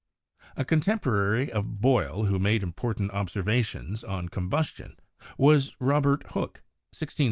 A contemporary of Boyle who made important observa tion on combustion was Robert Hooke (1635 1702).